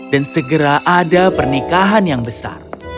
dan segera ada pernikahan yang besar